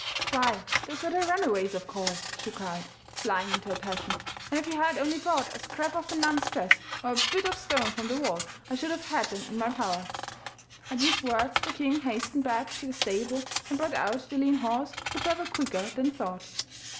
'Why those were the runaways, of course,' she cried, flying into a passion, 'and if you had only brought a scrap of the nun's dress, or a bit of stone from the wall, I should have had them in my power.' At these words the king hastened back to the stable, and brought out the lean horse who travelled quicker than thought.